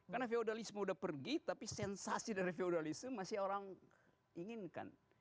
karena feudalisme sudah pergi tapi sensasi dari feudalisme masih orang inginkan